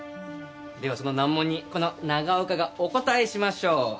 ではその難問にこの永岡がお答えしましょう。